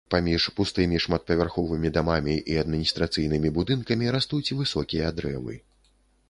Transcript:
Паміж пустымі шматпавярховымі дамамі і адміністрацыйнымі будынкамі растуць высокія дрэвы.